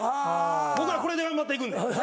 僕らこれで頑張っていくんで。